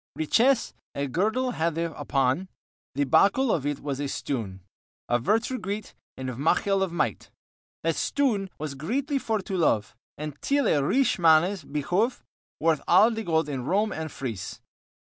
Richesse a girdle hadde upon The bokel of it was of a stoon Of Vertue greet, and mochel of might. That stoon was greetly for to love, And til a riche mannes bihove Worth al the gold in Rome and Fryse.